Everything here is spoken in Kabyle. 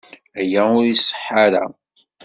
Aya ur iṣeḥḥa ara.